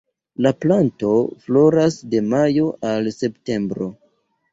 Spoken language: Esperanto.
La planto floras de majo al septembro.